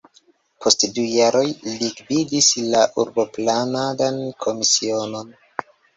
Post du jaroj li gvidis la urboplanadan komisionon.